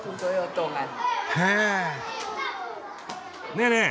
ねえねえ